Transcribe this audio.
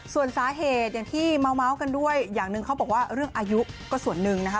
ส่วนสาเหตุอย่างที่เมาส์กันด้วยอย่างหนึ่งเขาบอกว่าเรื่องอายุก็ส่วนหนึ่งนะคะ